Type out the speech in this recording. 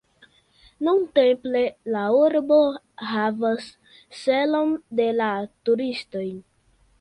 Nuntempe la urbo havas celon de la turistoj.